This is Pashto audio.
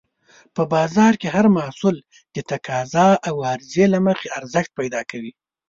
په بازار کې هر محصول د تقاضا او عرضې له مخې ارزښت پیدا کوي.